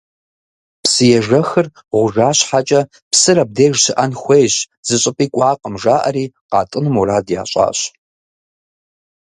Псыежэхыр гъужа щхьэкӏэ, псыр абдеж щыӏэн хуейщ, зыщӏыпӏи кӏуакъым жаӏэри, къатӏыну мурад ящӏащ.